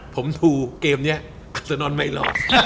ผมดูเกมนี้อัศนอนไม่รอ